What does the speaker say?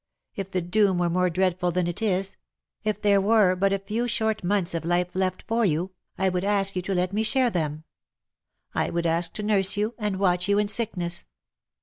If the doom were more dreadful than it is — if there were but a few short months of life left for you^ I would ask you to let me share them; I would ask to nurse you and watch you in sickness.